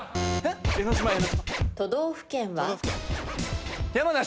都道府県は？山梨。